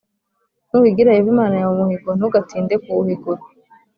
Nuhigira Yehova Imana yawe umuhigo, ntugatinde kuwuhigura.